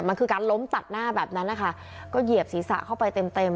มันคือการล้มตัดหน้าแบบนั้นนะคะก็เหยียบศีรษะเข้าไปเต็มเต็ม